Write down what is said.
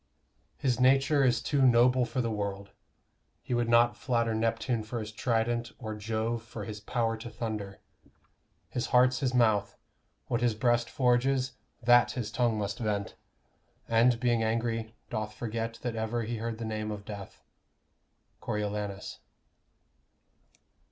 His nature is too noble for the world: He would not flatter Neptune for his trident, Or Jove for his power to thunder. His heart's his mouth; What his breast forges, that his tongue must vent; And, being angry, doth forget that ever He heard the name of death. _Coriolanus.